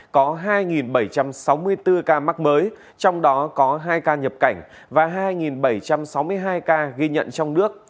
có hai bảy trăm sáu mươi bốn ca mắc mới trong đó có hai ca nhập cảnh và hai bảy trăm sáu mươi hai ca ghi nhận trong nước